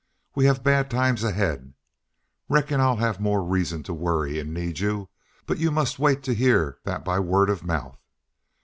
We have bad times ahead. Reckon I have more reasons to worry and need you, but you must wait to hear that by word of mouth.